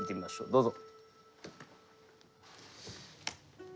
どうぞ。